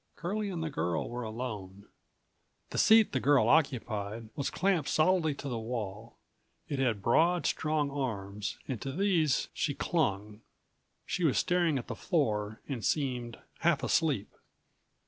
Curlie and the girl were alone. The seat the girl occupied was clamped solidly to the wall. It had broad, strong arms and to these she clung. She was staring at the floor and seemed half asleep.